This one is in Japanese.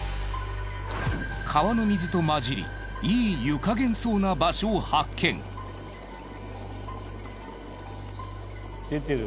川の水とまじりいい湯加減そうな場所を発見。出てる。